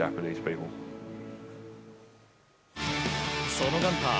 そのガンター